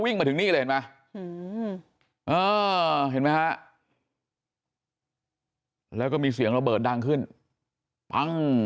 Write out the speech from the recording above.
วิ่งมาถึงนี่เลยเห็นไหมเห็นไหมแล้วก็มีเสียงระเบิดดังขึ้น